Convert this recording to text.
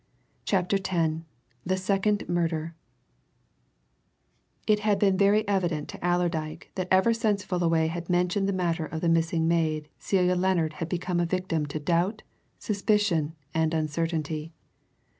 CHAPTER X THE SECOND MURDER It had been very evident to Allerdyke that ever since Fullaway had mentioned the matter of the missing maid, Celia Lennard had become a victim to doubt, suspicion, and uncertainty.